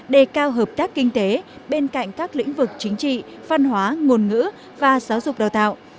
đề cao hợp tác kinh tế bên cạnh các lĩnh vực chính trị văn hóa ngôn ngữ và giáo dục đào tạo